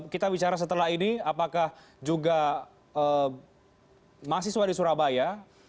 kita bicara setelah ini apakah juga mahasiswa di surabaya